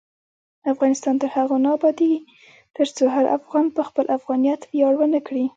افغانستان تر هغو نه ابادیږي، ترڅو هر افغان په خپل افغانیت ویاړ ونه کړي.